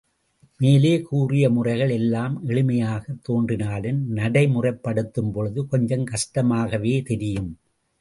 மேலே கூறிய முறைகள் எல்லாம் எளிமையாகத் தோன்றினாலும், நடைமுறைப் படுத்தும்பொழுது கொஞ்சம் கஷ்டமாகவே தெரியும்.